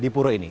di pura ini